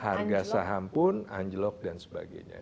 harga saham pun anjlok dan sebagainya